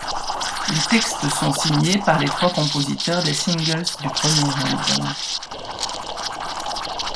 Les textes sont signés par les trois compositeurs des singles du premier album.